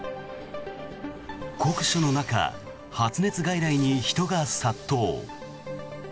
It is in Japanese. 酷暑の中発熱外来に人が殺到。